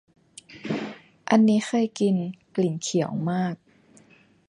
อันนี้เคยกิน กลิ่นเขียวมาก